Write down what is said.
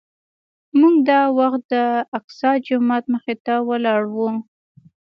موږ دا وخت د الاقصی جومات مخې ته ولاړ وو.